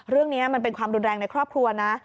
เรื่องนี้มันเป็นความรุนแรงในครอบครัวนะ